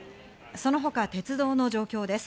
その他、鉄道の状況です。